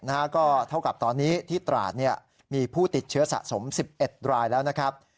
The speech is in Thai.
เท่ากับตอนนี้ที่ตราดมีผู้ติดเชื้อสะสม๑๑รายแล้วนะครับ